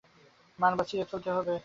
মান বাঁচিয়ে চলতে হবে তো?